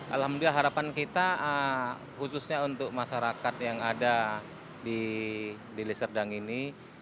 alhamdulillah harapan kita khususnya untuk masyarakat yang ada di liserdang ini